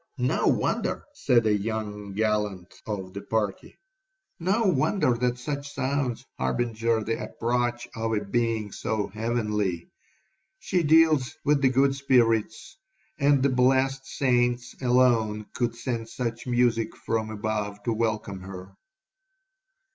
'No wonder,' said a young gallant of the party, 'no wonder that such sounds harbinger the approach of a being so heavenly. She deals with the good spirits; and the blessed saints alone could send such music from above to welcome her.'